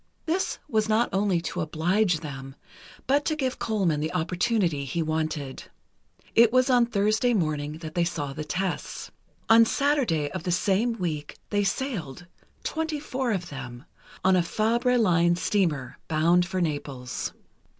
This was not only to oblige them, but to give Colman the opportunity he wanted. It was on Thursday morning that they saw the tests. On Saturday of the same week they sailed—twenty four of them—on a Fabre Line steamer, bound for Naples.